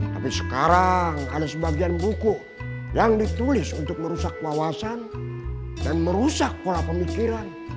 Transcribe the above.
tapi sekarang ada sebagian buku yang ditulis untuk merusak wawasan dan merusak pola pemikiran